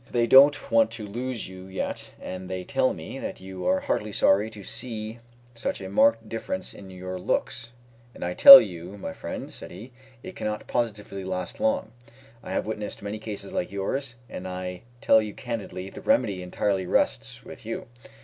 They don't want to lose you yet, and they tell me that they are heartily sorry to see such a marked difference in your looks; and I tell you, my friend," said he, "it cannot positively last long. I have witnessed many cases like yours, and I tell you candidly the remedy entirely rests with you.